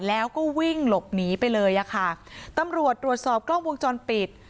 แล้วก็วิ่งหลบหนีไปเลยอ่ะค่ะตำรวจตรวจสอบกล้องวงจรปิด